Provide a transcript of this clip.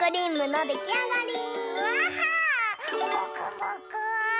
もくもく。